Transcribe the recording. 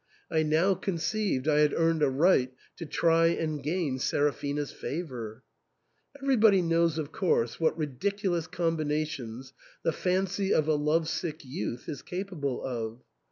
I now conceived I had earned a right to try and gain Sera phina's favour. Everybody knows of course what ridiculous combinations the fancy of a love sick youth is capable of.